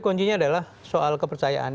kuncinya adalah soal kepercayaan